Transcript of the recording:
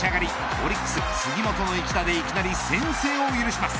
オリックス杉本の一打でいきなり先制を許します。